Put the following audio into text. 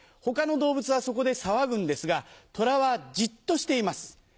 他の動物はそこで騒ぐんですがトラはじっとしています。